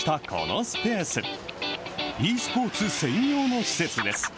ｅスポーツ専用の施設です。